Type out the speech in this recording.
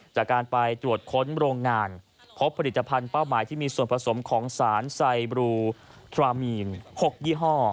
จากการไปตรวจค้นโรงงานพบผลิตภัณฑ์เป้าหมายที่มีส่วนผสมของสารไซบลูทรามีน๖ยี่ห้อ